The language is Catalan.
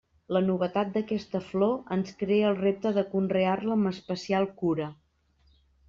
La novetat d'aquesta flor ens crea el repte de conrear-la amb especial cura.